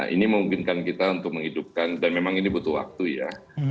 ini memungkinkan kita untuk menghidupkan dan memang ini butuh waktu ya